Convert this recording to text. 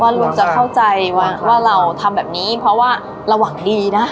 ลุงจะเข้าใจว่าเราทำแบบนี้เพราะว่าเราหวังดีนะ